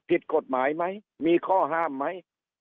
ผิดกฎหมายไหมมีข้อห้ามไหม